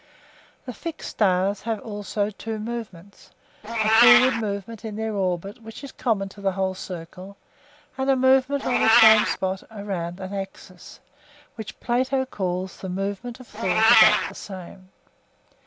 The fixed stars have also two movements—a forward movement in their orbit which is common to the whole circle; and a movement on the same spot around an axis, which Plato calls the movement of thought about the same.